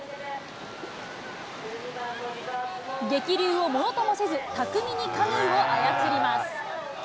激流をものともせず、巧みにカヌーを操ります。